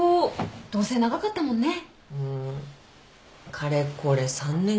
かれこれ３年か。